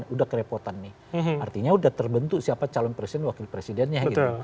udah kerepotan nih artinya udah terbentuk siapa calon presiden wakil presidennya gitu